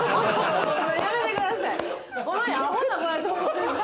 やめてください。